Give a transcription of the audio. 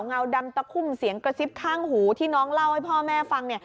เงาดำตะคุ่มเสียงกระซิบข้างหูที่น้องเล่าให้พ่อแม่ฟังเนี่ย